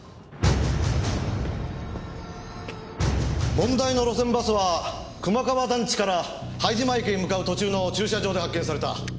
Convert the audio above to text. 問題の路線バスは熊川団地から拝島駅へ向かう途中の駐車場で発見された。